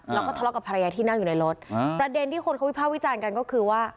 แล้วก็ทะเลาะกับภรรยาที่นั่งอยู่ในรถประเด็นที่คนเขาวิภาควิจารณ์กันก็คือว่า